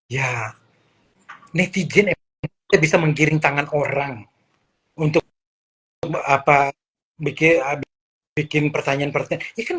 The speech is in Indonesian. ya netizen kita bisa menggiring tangan orang untuk apa bikin pertanyaan pertanyaan